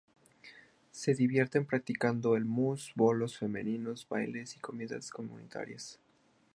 Se divierten practicando el mus, bolos femeninos, bailes y comidas comunitarias.